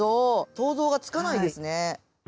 想像がつかないですね。